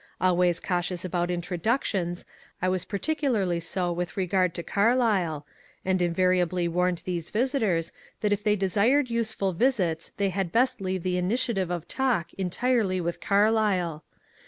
Always cautious about introduc tions, I was particularly so with regard to Carlyle, and invari ably warned these visitors that if they desired useful visits they had best leave the initiative of talk entirely with Car lyle.